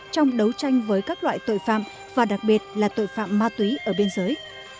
trong đấu tranh với các loại tội phạm và đặc biệt là tội phạm ma túy ở biên giới